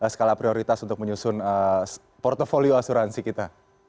skala prioritas untuk menyusun portfolio asuransi kita